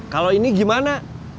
kalau ini gimana